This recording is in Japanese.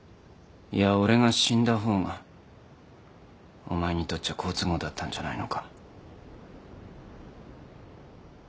いや俺が死んだほうがお前にとっちゃ好都合だったんじゃないのか。